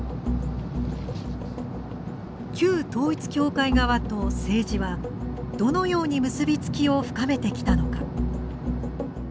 旧統一教会側と政治はどのように結び付きを深めてきたのか。